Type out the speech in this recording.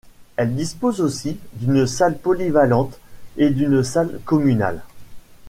Elle dispose aussi d'une salle polyvalente et d'une salle communale.